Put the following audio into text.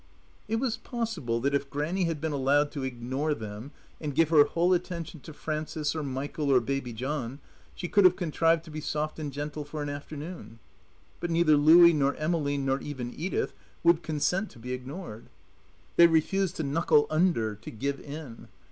It was possible that if Grannie had been allowed to ignore them and give her whole attention to Frances or Michael or Baby John, she could have contrived to be soft and gentle for an afternoon. But neither Louie nor Emmeline, nor even Edith, would consent to be ignored. They refused to knuckle under, to give in.